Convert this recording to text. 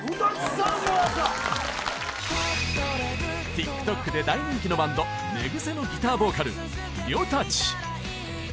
ＴｉｋＴｏｋ で大人気のバンドねぐせ。のギターボーカルりょたち